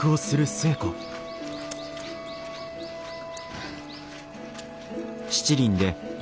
はあ。